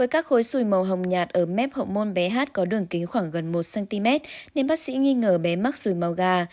các khối xùi màu hồng nhạt ở mép hậu môn bé hát có đường kính khoảng gần một cm nên bác sĩ nghi ngờ bé mắc xùi màu gà